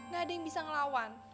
gak ada yang bisa ngelawan